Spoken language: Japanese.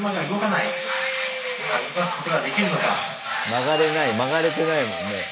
曲がれない曲がれてないもんね。